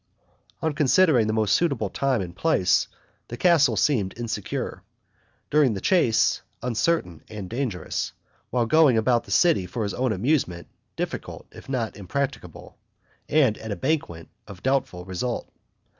On considering the most suitable time and place, the castle seemed insecure; during the chase, uncertain and dangerous; while going about the city for his own amusement, difficult if not impracticable; and, at a banquet, of doubtful result.